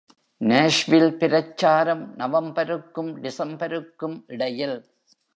Nashville பிரச்சாரம் நவம்பருக்கும் டிசம்பருக்கும் இடையில்.